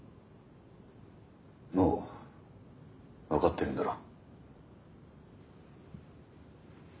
もう分かってるんだろ？